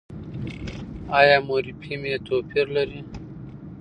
ایا مورفیم يې توپیر لري؟